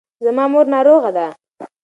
زما مور ناروغه ده.